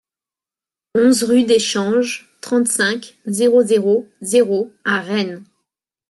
onze rue d'Échange, trente-cinq, zéro zéro zéro à Rennes